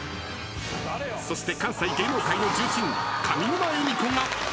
［そして関西芸能界の重鎮上沼恵美子が］